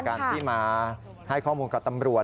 การที่มาให้ข้อมูลกับตำรวจ